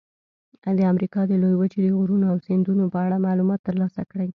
د امریکا د لویې وچې د غرونو او سیندونو په اړه معلومات ترلاسه کړئ.